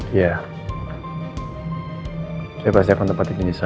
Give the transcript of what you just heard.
iya saya pasti akan tepatkan janji saya pak